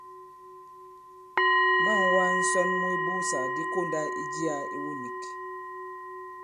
Ma᷇ŋ wā ŋsɔn mu ibussàk di kondā i jiā iwu nīk.